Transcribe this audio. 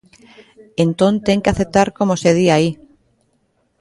Entón ten que aceptar como se di aí.